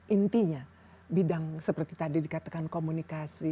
intinya bidang seperti tadi dikatakan komunikasi